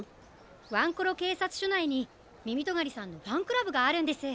ワンコロけいさつしょないにみみとがりさんのファンクラブがあるんです。